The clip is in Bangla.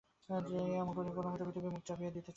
যেন এমনি করিয়া কোনোমতে পৃথিবীর মুখ চাপা দিতে চাহে।